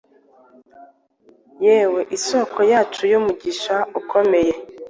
yewe Isoko yacu y umugisha ukomeye!